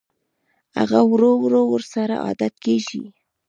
هغه ورو ورو ورسره عادت کېږي